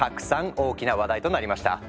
大きな話題となりました。